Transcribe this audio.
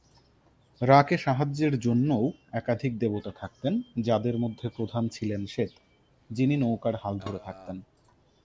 রা কে সাহায্যের জন্যও একাধিক দেবতা থাকতেন, যাঁদের মধ্যে প্রধান ছিলেন সেত, যিনি নৌকার হাল ধরে থাকতেন।